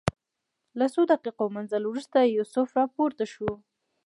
له څو دقیقو مزل وروسته یوسف راپورته شو.